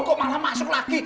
kok malah masuk lagi